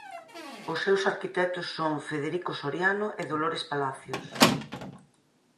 Os seus arquitectos son Federico Soriano e Dolores Palacios.